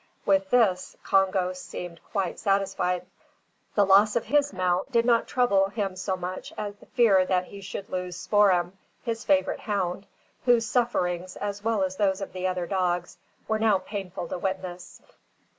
With this, Congo seemed quite satisfied. The loss of his "mount" did not trouble him so much as the fear that he should lose Spoor'em, his favourite hound, whose sufferings, as well as those of the other dogs, were now painful to witness.